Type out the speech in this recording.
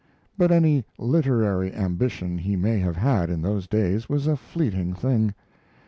But any literary ambition he may have had in those days was a fleeting thing.